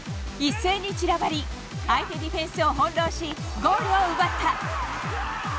一斉に散らばり相手ディフェンスを翻弄しゴールを奪った。